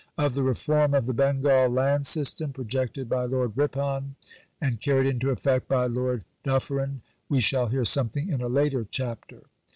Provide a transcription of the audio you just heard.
Of the reform of the Bengal Land System, projected by Lord Ripon, and carried into effect by Lord Dufferin, we shall hear something in a later chapter (VI.).